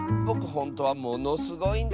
ほんとはものすごいんだけどな。